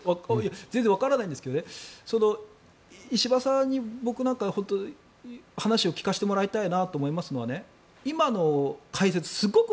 全然わからないんですが石破さんに僕なんかは本当に話を聞かせてもらいたいなと思いますのは今の解説